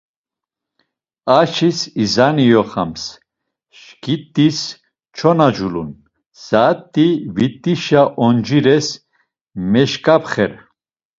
Aşis izani iyoxams, şǩit̆is çona culun, saat̆i vitişa oncires meşǩapxer.